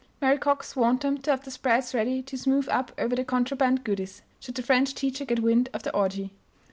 Mary Cox warned them to have the spreads ready to smooth up over the contraband goodies, should the French teacher get wind of the orgy.